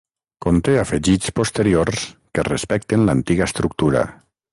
Conté afegits posteriors que respecten l'antiga estructura.